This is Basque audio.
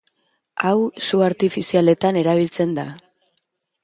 Hau, su artifizialetan erabiltzen da.